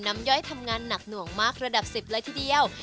น้ำย้อยทำงานหนักหนู๋งมากละดับสิบครับที่เดียว